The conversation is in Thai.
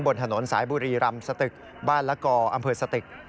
บนถนนสายบุรีรำสตึกบ้านละกออำเภอสตึก